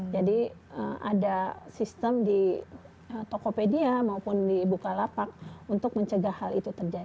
jadi ada sistem di tokopedia maupun di bukalapak untuk mencegah hal itu terjadi